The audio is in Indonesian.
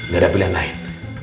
gak ada pilihan lain